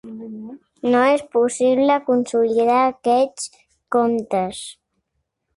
No és possible consolidar aquests comptes.